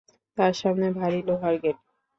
তাঁর সামনে ভারি লোহার গেট।